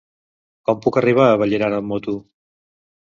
Com puc arribar a Vallirana amb moto?